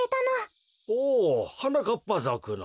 おおはなかっぱぞくの。